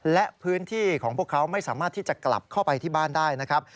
และพื้นที่ของพวกเขาไม่สามารถที่จะกลับเข้าไปที่บ้านได้นะครับ